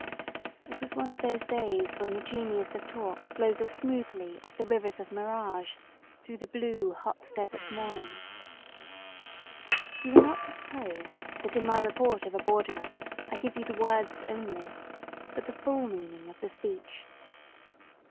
It was one of those days when the genius of talk flows as smoothly as the rivers of mirage through the blue hot desert morning. 200 THE WALKING WOMAN You are not to suppose that in my report of a Borderer I give you the words only, but the full meaning of the speech.